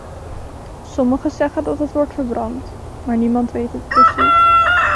Sommigen zeggen dat het wordt verbrand, maar niemand weet het precies.